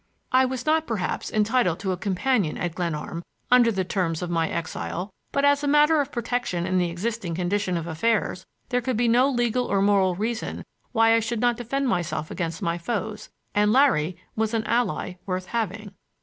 I was not, perhaps, entitled to a companion at Glenarm under the terms of my exile, but as a matter of protection in the existing condition of affairs there could be no legal or moral reason why I should not defend myself against my foes, and Larry was an ally worth having.